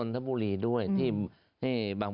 ครับ